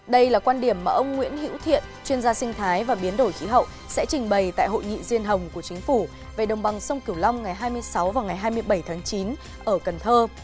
đây là quan điểm mà ông nguyễn hữu thiện chuyên gia sinh thái và biến đổi khí hậu sẽ trình bày tại hội nghị riêng hồng của chính phủ về đồng bằng sông cửu long ngày hai mươi sáu và ngày hai mươi bảy tháng chín ở cần thơ